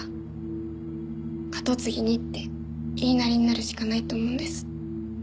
跡継ぎにって言いなりになるしかないと思うんです。